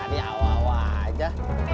nah ini awal awalnya